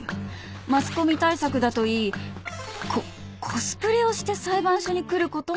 ［マスコミ対策だといいココスプレをして裁判所に来ることもある］